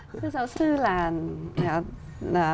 thưa giáo sư là